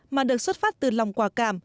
mà được xuất phát từ lòng quả cảm